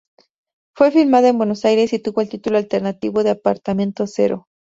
Fue filmada en Buenos Aires y tuvo el título alternativo de Apartamento cero.